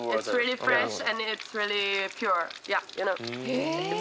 へえ。